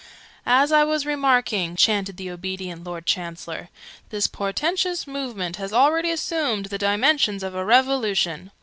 "As I was remarking," chanted the obedient Lord Chancellor, "this portentous movement has already assumed the dimensions of a Revolution!"